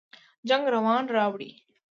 جنګ ورانی راوړي